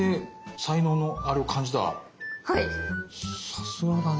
さすがだね。